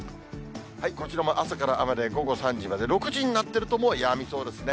こちらも朝から雨で、午後３時まで、６時になってると、もうやみそうですね。